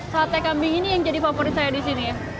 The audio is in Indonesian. sate kambing ini yang jadi favorit saya di sini ya